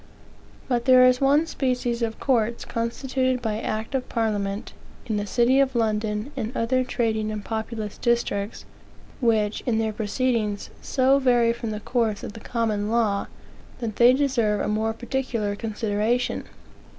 "But there is one species of courts constituted by act of Parliament, in the city of London, and other trading and populous districts, which, in their proceedings, so vary from the course of the common law, that they deserve a more particular consideration.